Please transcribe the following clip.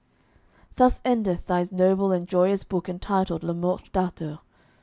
_Thus endeth thys noble and joyous book entytled Le Morte Darthur.